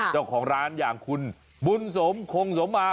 เจ้าของร้านอย่างคุณบุญสมคงสมมา